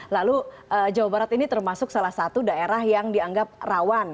lalu jawa barat ini termasuk salah satu daerah yang dianggap rawan